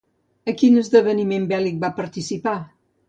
A quin esdeveniment bèl·lic va participar?